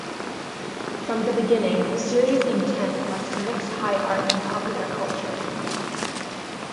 From the beginning the series' intent was to mix high art and popular culture.